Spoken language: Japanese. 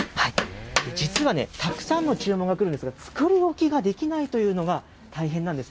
実はね、たくさんの注文が来るんですけど、作り置きができないというのが大変なんです。